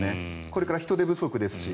これから人手不足ですし。